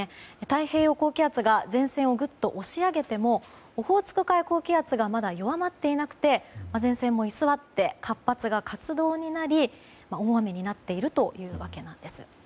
太平洋高気圧が前線をぐっと押し上げてもオホーツク海高気圧がまだ弱まっていなくて前線も居座って活発な活動になり大雨になっているというわけなんです。